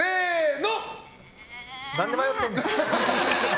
何で迷ってんねん！